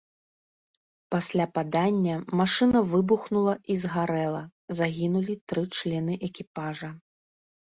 Пасля падання машына выбухнула і згарэла, загінулі тры члены экіпажа.